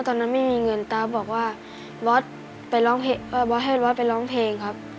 ตอนนั้นไม่มีเงินตาบอกว่าบอสไปร้องบอสให้บอสไปร้องเพลงครับ